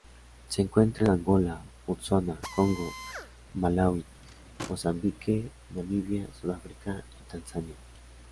Se encuentra en Angola, Botsuana, Congo, Malaui, Mozambique, Namibia, Sudáfrica y Tanzania.